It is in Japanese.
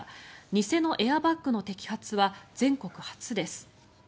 偽のエアバッグの摘発は全国初です。